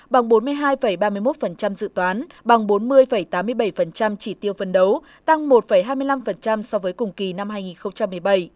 bằng bốn mươi hai ba mươi một dự toán bằng bốn mươi tám mươi bảy chỉ tiêu phấn đấu tăng một hai mươi năm so với cùng kỳ năm hai nghìn một mươi bảy